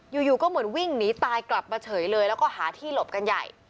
อยู่ก็เหมือนวิ่งหนีตายกลับมาเฉยเลยแล้วก็หาที่หลบกันใหญ่